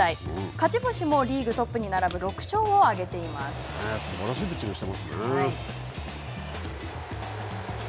勝ち星もリーグトップに並ぶすばらしいピッチングをしていますね。